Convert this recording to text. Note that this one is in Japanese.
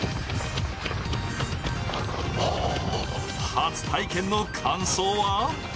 初体験の感想は？